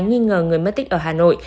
nghi ngờ người mất tích ở hà nội